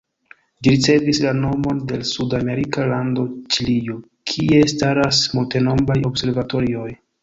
Ĝi ricevis la nomon de la sud-amerika lando Ĉilio, kie staras multenombraj observatorioj.